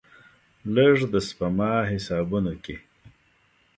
لږ، د سپما حسابونو کې